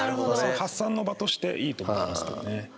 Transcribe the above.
発散の場としていいと思いますけどね